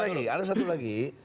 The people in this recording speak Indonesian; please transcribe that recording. terus ada satu lagi